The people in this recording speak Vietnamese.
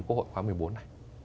của hội khóa một mươi bốn này